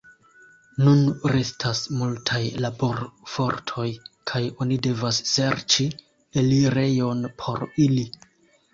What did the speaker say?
Nun restas multaj laborfortoj kaj oni devas serĉi elirejon por ili.